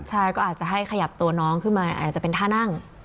ใช่ก็อาจจะให้ขยับตัวน้องขึ้นมาอาจจะเป็นท่านั่ง